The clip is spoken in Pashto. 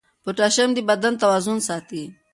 پوټاشیم د بدن توازن ساتي.